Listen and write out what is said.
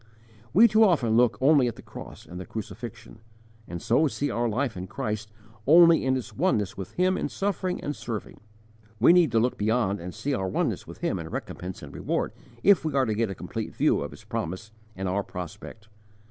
_ We too often look only at the cross and the crucifixion, and so see our life in Christ only in its oneness with Him in suffering and serving; we need to look beyond and see our oneness with Him in recompense and reward, if we are to get a complete view of His promise and our prospect.